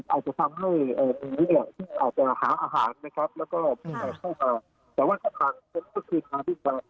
อาจจะทำให้นิดนึงที่อาจจะหาอาหารแล้วก็นิดหนึ่ง